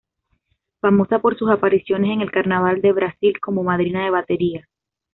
Famosa por sus apariciones en el carnaval de Brasil como Madrina de Batería.